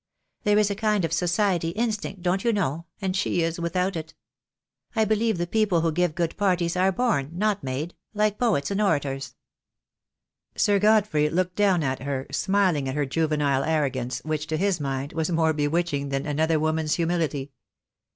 There is a kind of society instinct, don't you know, and she is without it. I believe the people who give good parties are born, not made — like poets and orators." Sir Godfrey looked down at her, smiling at her juvenile arrogance, which, to his mind, was more bewitch ing than another woman's humility.